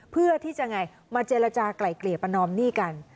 เพื่อที่จะเจรจาไกลประนอมหนี้กัน